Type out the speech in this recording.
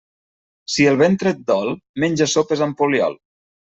Si el ventre et dol, menja sopes amb poliol.